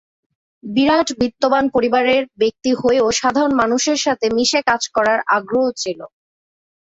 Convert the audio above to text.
বিরাট বিত্তবান পরিবারের ব্যক্তি হয়েও সাধারণ মানুষের সাথে মিশে কাজ করার আগ্রহ ছিল।